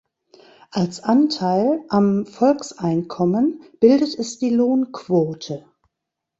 Als Anteil am Volkseinkommen bildet es die Lohnquote.